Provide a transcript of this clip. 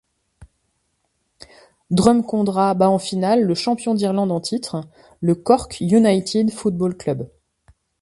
Drumcondra bat en finale le champion d'Irlande en titre le Cork United Football Club.